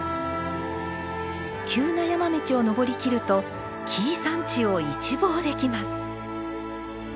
急な山道を登りきると紀伊山地を一望できます。